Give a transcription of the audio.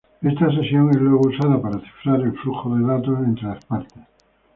Esta sesión es luego usada para cifrar el flujo de datos entre las partes.